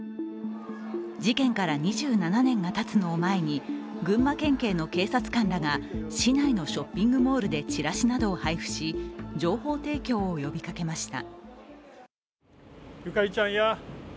事件から２７年がたつのを前に群馬県警の警察官らが市内のショッピングモールでチラシなどを配布し、情報提供を呼びかけました。